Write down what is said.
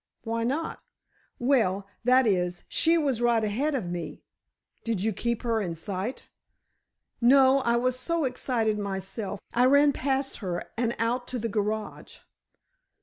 "Why not?" "Well—that is—she was right ahead of me——" "Did you keep her in sight?" "No; I was so excited myself, I ran past her and out to the garage."